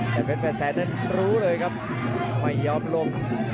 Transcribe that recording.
แต่เป็นแฟนแซนรู้เลยครับไม่ยอมลง